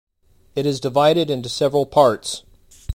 It is divided into several parts.